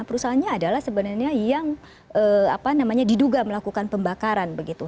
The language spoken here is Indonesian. perusahaannya adalah sebenarnya yang diduga melakukan pembakaran begitu